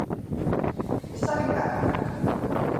¿E saben cando?